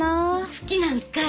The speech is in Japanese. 好きなんかい！